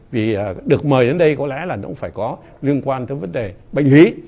vấn đề bệnh lý